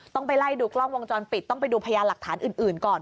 ต้องไปไล่ดูกล้องวงจรปิดต้องไปดูพยานหลักฐานอื่นก่อน